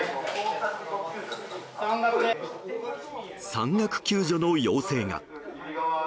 山岳救助の要請が。